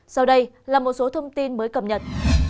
sau đây là một số thông tin mới cập nhật